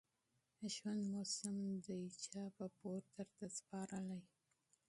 ژوند موسم دى چا په پور درته سپارلى